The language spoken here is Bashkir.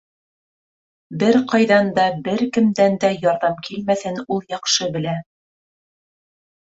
Бер ҡайҙан да, бер кемдән дә ярҙам килмәҫен ул яҡшы белә.